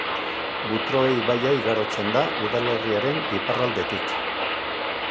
Butroe ibaia igarotzen da udalerriaren iparraldetik.